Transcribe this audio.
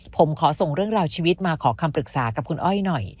ผมขอส่งเรื่องราวชีวิตมาขอคำปรึกษากับคุณอ้อยหน่อย